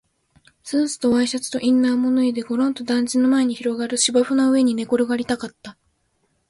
スーツとワイシャツとインナーも脱いで、ごろんと団地の前に広がる芝生の上に寝転がりたかった